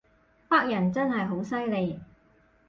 北人真係好犀利